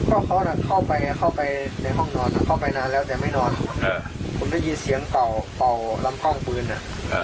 ก็เขาน่ะเข้าไปเข้าไปในห้องนอนเข้าไปนานแล้วแต่ไม่นอนผมได้ยินเสียงเป่าเป่าลำกล้องปืนอ่ะ